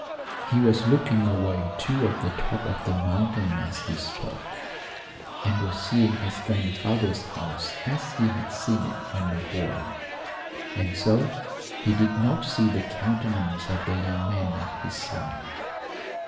He was looking away toward the top of the mountain as he spoke, and was seeing his grandfather's house as he had seen it when a boy, and so he did not see the countenance of the young man at his side.